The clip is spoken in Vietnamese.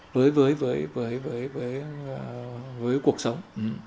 với với với với với với với cuộc sống